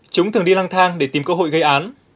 chúng thường đi lang thang để tìm cơ hội gây án